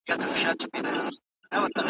له خپل یزدانه ګوښه `